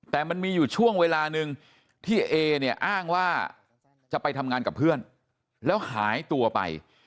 แต่มันมีอยู่ช่วงเวลาหนึ่งที่เอเนี่ยอ้างว่าจะไปทำงานกับเพื่อนแล้วหายตัวไป